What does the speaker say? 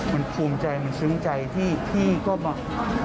มันภูมิใจมันซึ้งใจที่พี่ก็มา